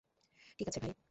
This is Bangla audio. ঠিক আছে, ভাই।